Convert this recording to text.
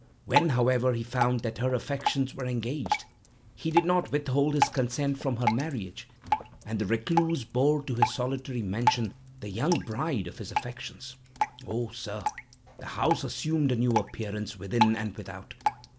When, however, he found that her affections were engaged, he did not withhold his consent from her marriage, and the recluse bore to his solitary mansion the young bride of his affections. O sir, the house assumed a new appearance within and without.